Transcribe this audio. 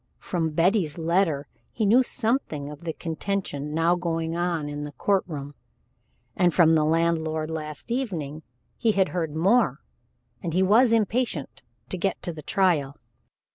From Betty's letter he knew something of the contention now going on in the court room, and from the landlord last evening he had heard more, and he was impatient to get to the trial.